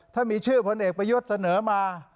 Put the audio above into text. ถ้ามีชื่อพลเอกประยุทธ์เสนอมา